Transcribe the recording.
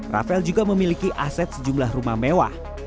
rafael juga memiliki aset sejumlah rumah mewah